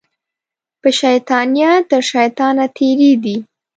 په شیطانیه تر شیطانه تېرې دي